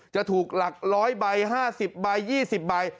จะถูกหลัก๑๐๐ใบ๕๐ใบ๒๐ใบ